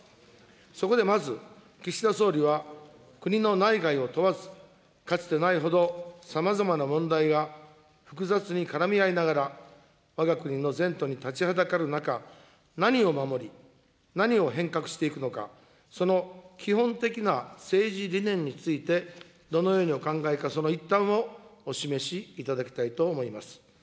そこでまず、岸田総理は国の内外を問わず、かつてないほどさまざまな問題が複雑に絡み合いながら、わが国の前途に立ちはだかる中、何を守り、何を変革していくのか、その基本的な政治理念について、どのようにお考えかその一端をお示しいただきたいと思います。